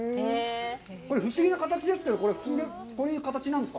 これ、不思議な形ですけど、こういう形なんですか。